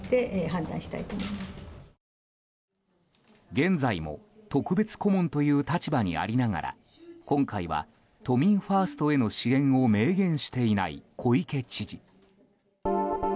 現在も特別顧問という立場にありながら今回は都民ファーストへの支援を明言していない小池知事。